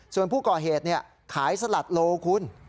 ส่วนผู้ก่อเหตุขายสลัดโลคุณ